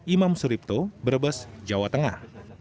imam suripto brebes jawa tengah